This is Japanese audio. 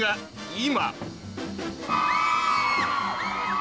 今